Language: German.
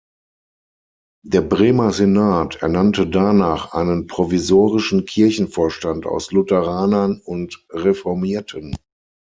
Der Bremer Senat ernannte danach einen provisorischen Kirchenvorstand aus Lutheranern und Reformierten.